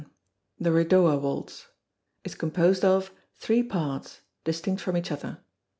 The Redowa Waltz is composed of: three parts, distinct from each other.